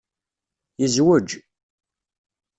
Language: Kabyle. Yezwej.